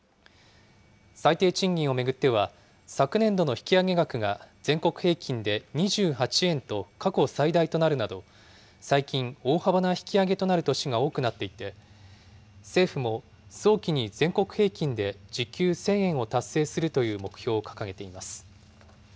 最低賃金を巡っては、昨年度の引き上げ額が全国平均で２８円と過去最大となるなど、最近、大幅な引き上げとなる年が多くなっていて、政府も早期に全国平均で時給１０００円を達成するという目標を掲げています。